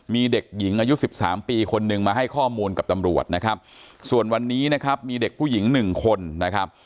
มีเด็กหญิงอายุสิบสามปีคนหนึ่งมาให้ข้อมูลกับตำรวจนะครับส่วนวันนี้นะครับมีเด็กผู้หญิงหนึ่งคนนะครับ